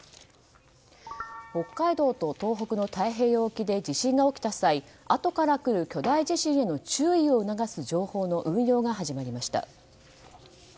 北海道と東北の太平洋沖で地震が起きた際あとから来る巨大地震への注意を促す情報の運用が始まりました。